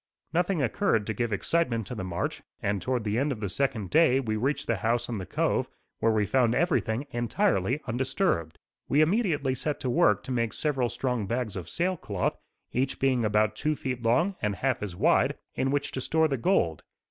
Nothing occurred to give excitement to the march and toward the end of the second day we reached the house in the cove, where we found everything entirely undisturbed. We immediately set to work to make several strong bags of sail cloth, each being about two feet long and half as wide, in which to store the gold.